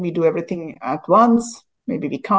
bisa kita melakukan segalanya secara satu